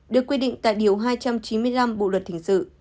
được quy định tại điều hai trăm chín mươi năm bộ luật hình sự